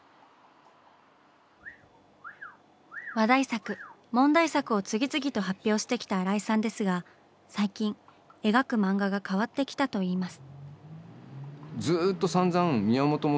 話題作問題作を次々と発表してきた新井さんですが最近描く漫画が変わってきたといいます。